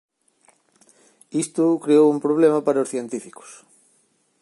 Isto creou un problema para os científicos.